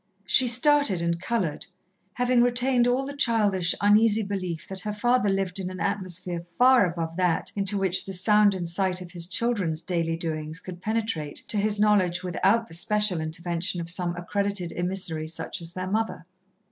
She started and coloured, having retained all the childish, uneasy belief that her father lived in an atmosphere far above that into which the sound and sight of his children's daily doings could penetrate to his knowledge without the special intervention of some accredited emissary such as their mother.